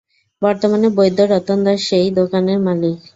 বর্তমানে বৈদ্য রতন দাস সেই দোকানের মালিক।